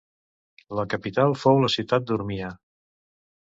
La capital fou la ciutat d'Urmia.